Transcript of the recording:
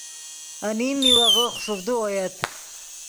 انیم میوغے خوݰوڤدے اویت۔